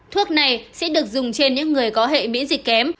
thuốc này sẽ được dùng trên những người có hệ miễn dịch kém